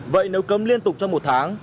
vậy nếu cấm liên tục trong một tháng